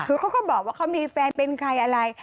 คือเขาก็บอกว่าเขามีแฟนเป็นใครอะไร